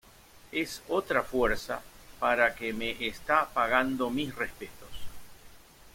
Es otra fuerza para que me está pagando mis respetos.